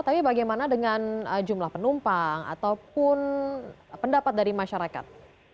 tapi bagaimana dengan jumlah penumpang ataupun pendapat dari masyarakat